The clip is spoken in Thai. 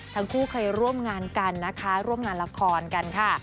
ทั้งคู่เคยร่วมงานกันนะคะร่วมงานละครกันค่ะ